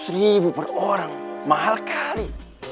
dua ratus ribu per orang mahal kali